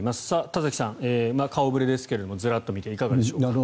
田崎さん、顔触れですがずらっと見ていかがでしょうか。